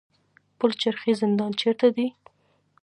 پل چرخي زندان چیرته دی؟